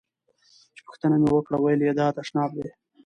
چې پوښتنه مې وکړه ویل یې دا تشناب دی.